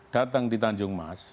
datang di tanjung mas